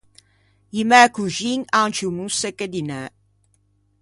I mæ coxin an ciù mosse che dinæ.